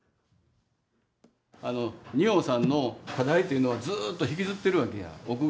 仁王さんの課題っていうのはずっと引きずってるわけや。